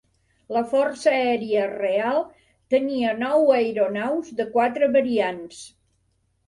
La Força Aèria real tenia nou aeronaus de quatre variants.